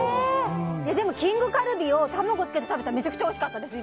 でも、きんぐカルビを卵つけて食べたらめちゃくちゃおいしかったです！